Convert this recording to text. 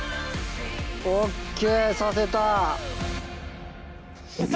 ＯＫ挿せた。